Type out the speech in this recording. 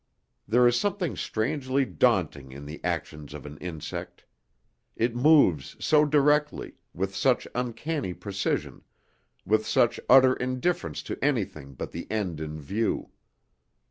There is something strangely daunting in the actions of an insect. It moves so directly, with such uncanny precision, with such utter indifference to anything but the end in view.